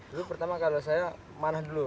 itu pertama kalau saya manah dulu